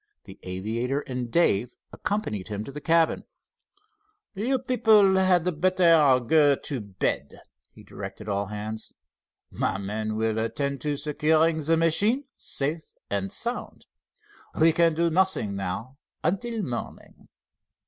The aviator and Dave accompanied him to the cabin. "You people had better go to bed," he directed all hands. "My men will attend to securing the machine safe and sound. We can do nothing now until morning."